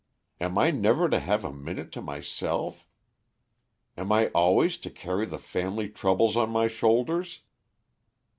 Am I never to have a minute to myself? Am I always to carry the family troubles on my shoulders?"